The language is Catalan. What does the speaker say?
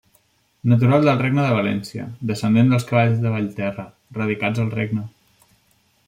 Natural del Regne de València, descendent dels cavallers de Vallterra, radicats al regne.